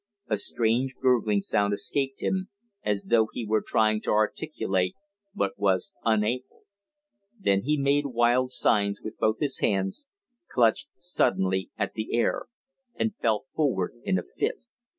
A strange gurgling sound escaped him, as though he were trying to articulate, but was unable; then he made wild signs with both his hands, clutched suddenly at the air, and fell forward in a fit.